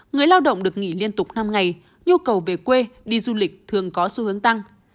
người lao động được nghỉ liên tục năm ngày nhu cầu về quê đi du lịch thường có xu hướng tăng